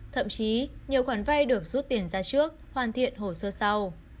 thậm chí nhiều khoản vay được rút tiền ra trước hoàn thiện hồ sơ sau